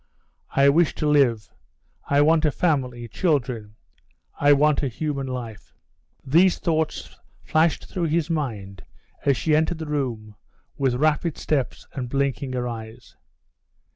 "I wish to live, I want a family, children, I want a human life." These thoughts flashed through his mind as she entered the room with rapid steps and blinking her eyes.